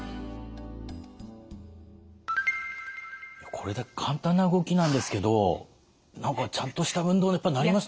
これだけ簡単な動きなんですけど何かちゃんとした運動になりますね。